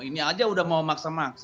ini aja udah mau maksima